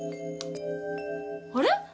あれ？